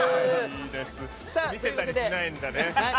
見せたりしないんだね。